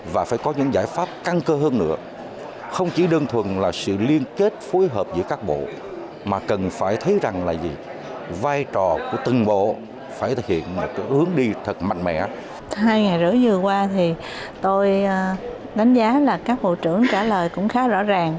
vì tôi đánh giá là các bộ trưởng trả lời cũng khá rõ ràng